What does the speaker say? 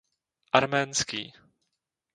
Arménský.